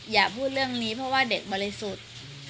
อย่าพูดเรื่องนี้เพราะว่าเด็กบริสุทธิ์